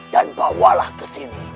dan bawalah ke sini